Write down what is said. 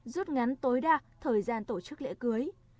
rút ngắn tối đa thời gian tổ chức lễ cưới